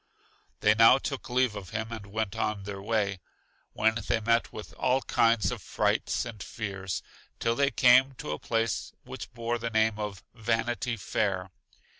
They now took leave of him and went on their way, when they met with all kinds of frights and fears, till they came to a place which bore the name of Vanity Fair.